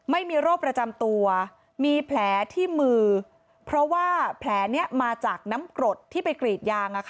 ไม่มีโรคประจำตัวมีแผลที่มือเพราะว่าแผลนี้มาจากน้ำกรดที่ไปกรีดยาง